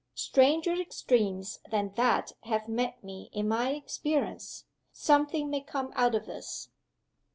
"Stranger extremes than that have met me in my experience. Something may come out of this."